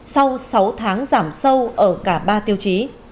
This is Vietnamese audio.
sau sáu tháng giảm sâu ở cả ba tiêu chí